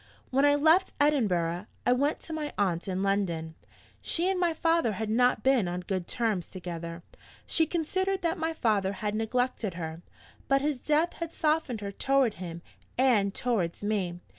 'When I left Edinburgh, I went to my aunt in London. She and my father had not been on good terms together; she considered that my father had neglected her. But his death had softened her toward him and toward me.